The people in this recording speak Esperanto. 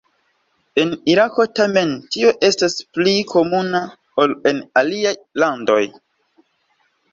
En Irako tamen tio estas pli komuna ol en aliaj landoj.